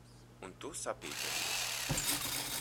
Un tu sapīpējies.